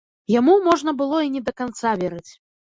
Яму можна было і не да канца верыць.